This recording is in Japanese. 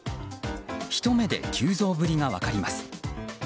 ひと目で急増ぶりが分かります。